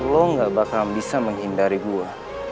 lo gak bakal bisa menghindari gua